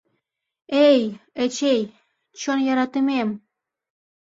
Эй, Эчей, чон йӧратымем!